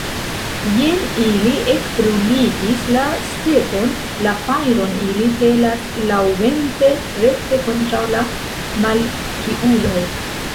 Jen ili ekbruligis la stepon, la fajron ili pelas laŭvente rekte kontraŭ la malpiuloj!